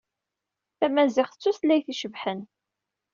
Tamaziɣt d tutlayt ay icebḥen.